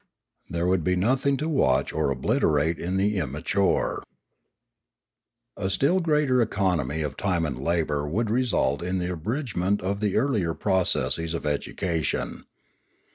There would be nothing to watch or obliterate in the immature. Pioneering 445 A still greater economy of time and labour would result in the abridgment of the earlier processes of education.